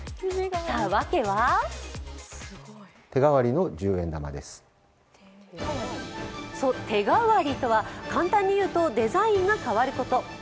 さあ、訳は手変わりとは簡単に言うとデザインが変わること。